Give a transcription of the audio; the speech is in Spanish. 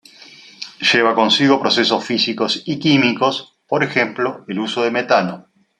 Lleva consigo procesos físicos y químicos por ejemplo el uso de metano.